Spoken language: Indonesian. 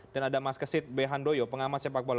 dan ada mas kesit behandoyo pengamannya pak bola